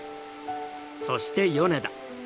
そして米田。